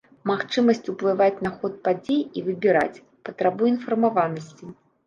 Магчымасць уплываць на ход падзей і выбіраць патрабуе інфармаванасці.